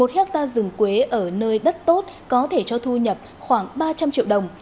một hectare rừng quế ở nơi đất tốt có thể cho thu nhập khoảng ba trăm linh triệu đồng